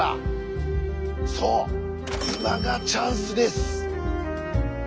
そう今がチャンスです。